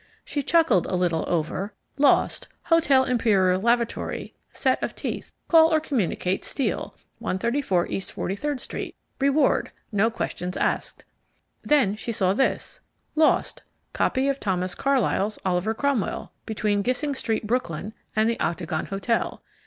She chuckled a little over LOST Hotel Imperial lavatory, set of teeth. Call or communicate Steel, 134 East 43 St. Reward, no questions asked. Then she saw this: LOST Copy of Thomas Carlyle's "Oliver Cromwell," between Gissing Street, Brooklyn, and the Octagon Hotel.